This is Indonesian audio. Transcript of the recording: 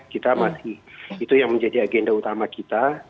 kita masih itu yang menjadi agenda utama kita